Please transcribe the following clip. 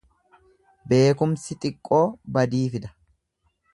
Beekumsi xiqqoo badii fida.